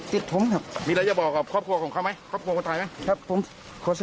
ใครเอาข้าวไปส่งให้เรา